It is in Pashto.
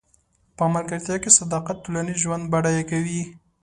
په ملګرتیا کې صداقت ټولنیز ژوند بډای کوي.